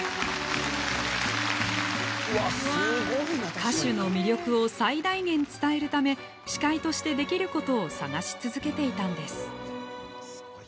歌手の魅力を最大限伝えるため司会としてできることを探し続けていたんです。